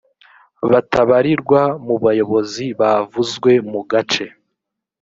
batabarirwa mu bayobozi bavuzwe mu gace